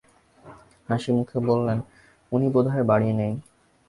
হাসিমুখে বললেন, উনি বোধহয় বাড়ি নেই।